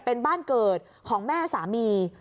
เป็นบ้านเกิดของแม่สามี